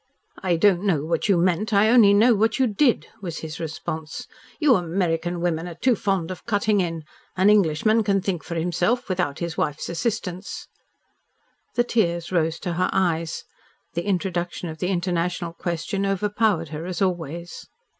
"I don't know what you meant. I only know what you did," was his response. "You American women are too fond of cutting in. An Englishman can think for himself without his wife's assistance." The tears rose to her eyes. The introduction of the international question overpowered her as always.